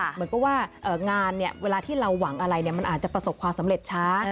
เหมือนกับว่างานเวลาที่เราหวังอะไรมันอาจจะประสบความสำเร็จช้า